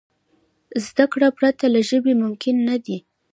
زدهکړې پرته له ژبي ممکن نه دي.